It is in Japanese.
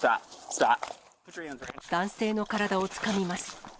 男性の体をつかみます。